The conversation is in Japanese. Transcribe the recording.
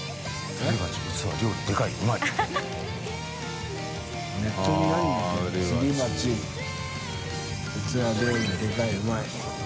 すり鉢器料理でかいうまい」